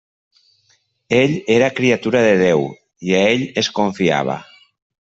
Ell era criatura de Déu, i a Ell es confiava.